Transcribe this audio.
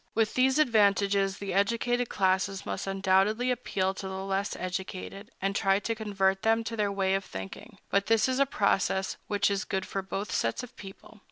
With these advantages, the educated classes must undoubtedly appeal to the less educated, and try to convert them to their way of thinking; but this is a process which is good for both sets of people.